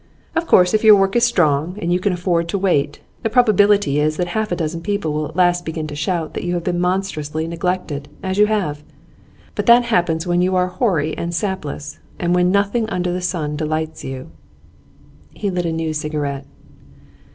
Of course if your work is strong, and you can afford to wait, the probability is that half a dozen people will at last begin to shout that you have been monstrously neglected, as you have. But that happens when you are hoary and sapless, and when nothing under the sun delights you.' He lit a new cigarette.